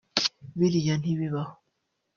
Biriya ntibibaho